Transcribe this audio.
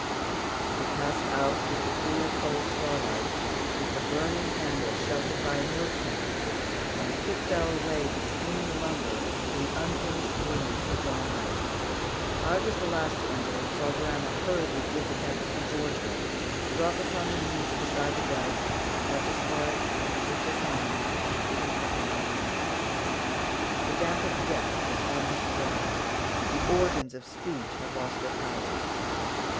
We passed out into the clear cold starlight, with the burning candle sheltered by a milk pan, and picked our way between the lumber to the unfinished room where John lay. I was the last to enter, and saw grandma hurriedly give the candle to Georgia, drop upon her knees beside the bed, touch his forehead, lift his hand, and call him by name. The damp of death was on his brow, the organs of speech had lost their power.